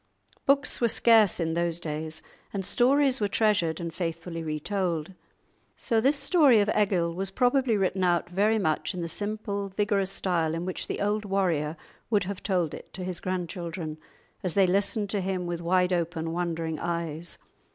Books were scarce in those days, and stories were treasured and faithfully re told. So this story of Egil was probably written out very much in the simple, vigorous style in which the old warrior would have told it to his grandchildren, as they listened to him with wide open, wondering eyes.